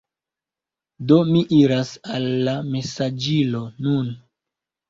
Do, mi iras al la mesaĝilo nun